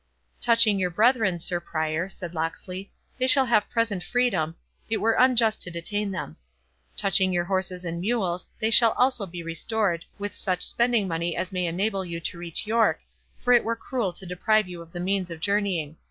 "Touching your brethren, Sir Prior," said Locksley, "they shall have present freedom, it were unjust to detain them; touching your horses and mules, they shall also be restored, with such spending money as may enable you to reach York, for it were cruel to deprive you of the means of journeying.